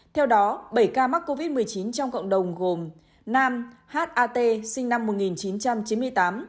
theo đó bảy ca mắc covid một mươi chín trong cộng đồng gồm nam h a t sinh năm một nghìn chín trăm chín mươi tám